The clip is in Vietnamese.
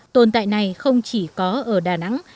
tồn tại này không chỉ có ở đà nẵng